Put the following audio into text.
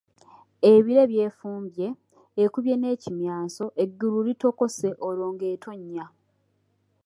"Ebire byefumbye, ekubye n’ekimyanso, eggulu litokose, olwo ng’etonnya."